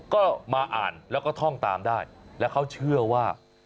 ก็มาอ่านแล้วก็ท่องตามได้แล้วเขาเชื่อว่า